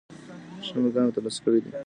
ښه مقام یې تر لاسه کړی دی.